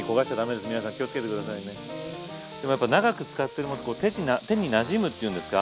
でもやっぱ長く使ってるものって手になじむっていうんですか。